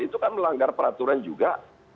itu kan melanggar peraturan juga